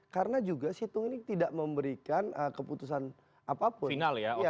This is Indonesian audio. karena juga situng ini tidak memberikan keputusan apa saja